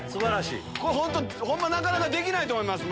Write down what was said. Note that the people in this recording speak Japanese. これホンマなかなかできないと思います。